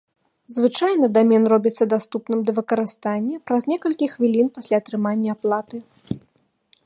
Звычайна дамен робіцца даступным да выкарыстання праз некалькі хвілін пасля атрымання аплаты.